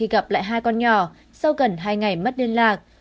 với con nhỏ sau gần hai ngày mất liên lạc